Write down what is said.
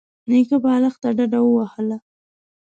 نيکه بالښت ته ډډه ووهله.